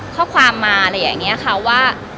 ข้อความมาอะไรอย่างนี้ค่ะว่า